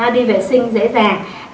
đi vệ sinh dễ dàng